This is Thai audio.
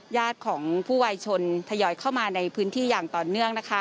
ญาติของผู้วายชนทยอยเข้ามาในพื้นที่อย่างต่อเนื่องนะคะ